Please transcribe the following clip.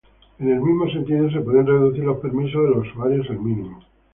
En el mismo sentido se pueden reducir los permisos de los usuarios al mínimo.